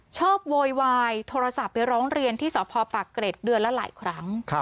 โวยวายโทรศัพท์ไปร้องเรียนที่สพปากเกร็ดเดือนละหลายครั้ง